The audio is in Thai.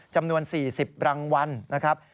จำนวน๔๐รางวัลนะครับ